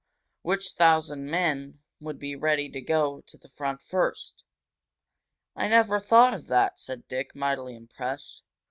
Which thousand men would be ready to go to the front first?" "I never thought of that!" said Dick, mightily impressed.